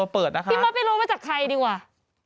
พี่มดไม่รู้มาจากใครดีกว่า